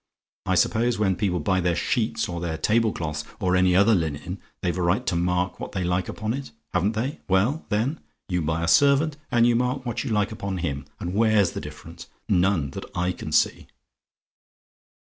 I suppose when people buy their sheets, or their tablecloths, or any other linen, they've a right to mark what they like upon it, haven't they? Well, then? You buy a servant, and you mark what you like upon him, and where's the difference? None, that I can see."